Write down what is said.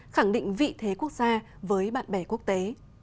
khẳng định vị thế quốc gia với bạn bè quốc tế